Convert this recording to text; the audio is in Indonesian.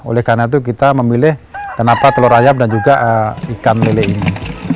oleh karena itu kita memilih kenapa telur ayam dan juga ikan lele ini